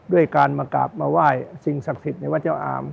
ด้วยการมากราบมาไหว้สิ่งสักผิดในวัดเจ้าอาม